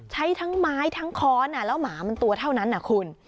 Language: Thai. ใช้ทั้งไม้ทั้งค้อนแล้วหมามันตัวเท่านั้นนะคุณ